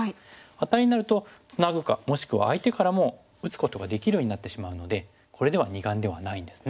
アタリになるとツナぐかもしくは相手からも打つことができるようになってしまうのでこれでは二眼ではないんですね。